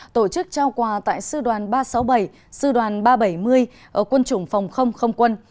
tổ chức trao quà tại sư đoàn ba trăm sáu mươi bảy sư đoàn ba trăm bảy mươi ở quân chủng phòng không không quân